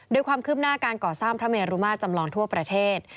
โดยความคืบหน้าการก่อสร้างพระเมรุมาจำลองทั่วประเทศ